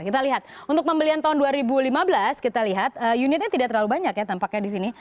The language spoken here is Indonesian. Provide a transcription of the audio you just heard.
kita lihat untuk pembelian tahun dua ribu lima belas kita lihat unitnya tidak terlalu banyak ya tampaknya di sini